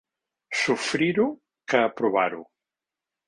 Sofrir-ho que aprovar-ho.